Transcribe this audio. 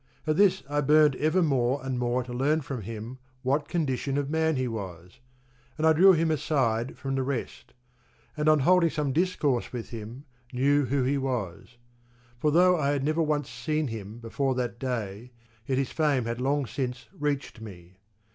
At this I burned ever more and more to learn from him what condition of man he was, and I drew him aside from the rest, and on holding some discourse with him knew who he was; for though I had never once seen him before that day yet his fame had long since reached me.